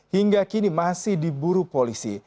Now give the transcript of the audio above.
hingga kini masih diburu polisi